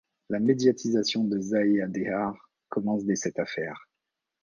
La médiatisation de Zahia Dehar commence dès cette affaire.